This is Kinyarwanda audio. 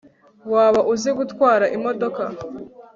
waba uzi gutwara imodoka